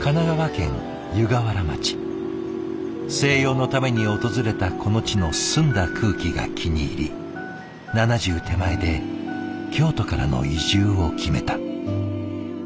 静養のために訪れたこの地の澄んだ空気が気に入り７０手前で京都からの移住を決めた。